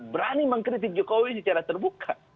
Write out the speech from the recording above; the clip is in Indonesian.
berani mengkritik jokowi secara terbuka